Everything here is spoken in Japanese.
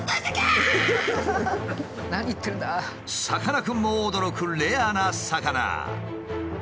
さかなクンも驚くレアな魚。